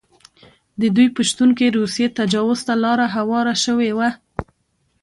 د دوی په شتون کې روسي تجاوز ته لاره هواره شوې وه.